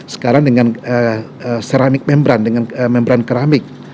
sekarang dengan ceramik membran dengan membran keramik